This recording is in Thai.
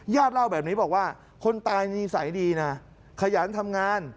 เล่าแบบนี้บอกว่าคนตายนิสัยดีนะขยันทำงาน